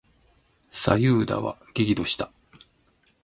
左右田は激怒した。